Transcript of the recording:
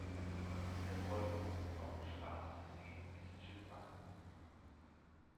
In der folgenden Saison startete sie mit Jill Bakken.